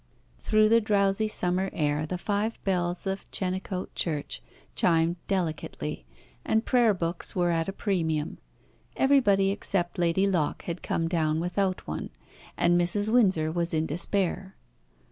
Through the drowsy summer air the five bells of Chenecote Church chimed delicately, and prayer books were at a premium. Everybody except Lady Locke had come down without one, and Mrs. Windsor was in despair.